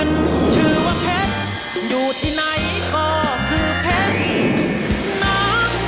ขึ้นชื่อว่าเพชรอยู่ที่ไหนก็คือเพชร